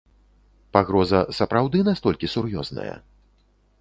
Пагроза сапраўды настолькі сур'ёзная?